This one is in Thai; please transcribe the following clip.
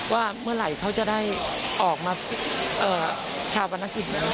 ว่าเมื่อไหร่เขาจะได้ออกมาชาวประนักกิจแล้ว